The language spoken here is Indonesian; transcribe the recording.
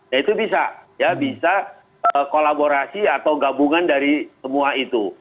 ya itu bisa ya bisa kolaborasi atau gabungan dari semua itu